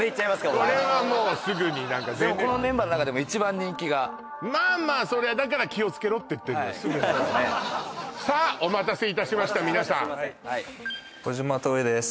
僕はこれはもうすぐに何かこのメンバーの中でも一番人気がまあまあそりゃだから気をつけろって言ってんのよさあお待たせいたしました皆さん小嶋斗偉です